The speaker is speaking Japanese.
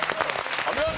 お見事！